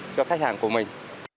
cho khách hàng của mình